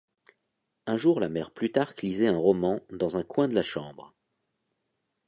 Un jour la mère Plutarque lisait un roman dans un coin de la chambre.